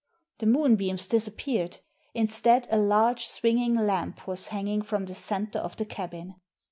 The moon beams disappeared. Instead, a large swinging lamp was hanging from the centre of the cabin.